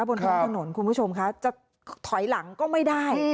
บนท้องถนนคุณผู้ชมคะจะถอยหลังก็ไม่ได้